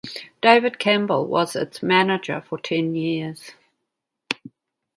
David Campbell was its manager for ten years.